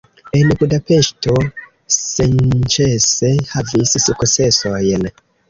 En Budapeŝto senĉese havis sukcesojn.